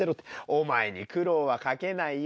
お前に苦労はかけないよ。